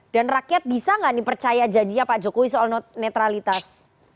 dan rakyat bisa nggak nih percaya janjinya pak jokowi soal netralitas